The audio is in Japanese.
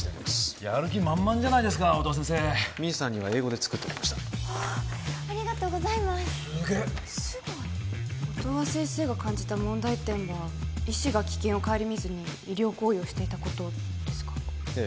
やる気満々じゃないですか音羽先生ミンさんには英語で作っておきましたありがとうございますすげっ音羽先生が感じた問題点は医師が危険を顧みずに医療行為をしていたことですかええ